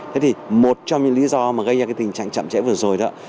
thế thì một trong những lý do gây ra tình trạng chậm trễ vừa rồi đó